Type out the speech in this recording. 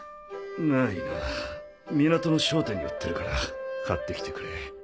ないな港の商店に売ってるから買って来てくれ。